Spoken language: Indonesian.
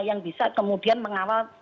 yang bisa kemudian mengawal